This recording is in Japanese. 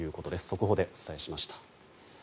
速報でお伝えしました。